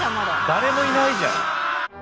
誰もいないじゃん。